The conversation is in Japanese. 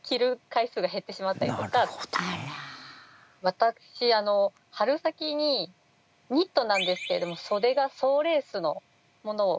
私春先にニットなんですけれども袖が総レースのものを買ったんですね。